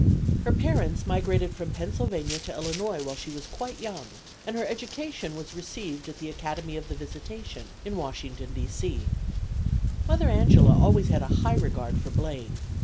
Her parents migrated from Pennsylvania to Illinois while she was quite young, and her education was received at the Academy of the Visitation, in Washington, D. C. Mother Angela always had a high regard for Blaine.